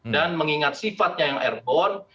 dan mengingat sifatnya yang airborne